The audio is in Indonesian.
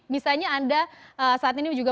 misalnya anda saat ini juga